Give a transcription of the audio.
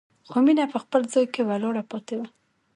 خو مينه په خپل ځای کې ولاړه پاتې وه.